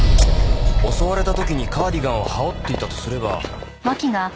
襲われた時にカーディガンを羽織っていたとすれば。